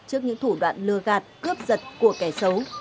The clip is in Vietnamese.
trước những thủ đoạn lừa gạt cướp giật của kẻ xấu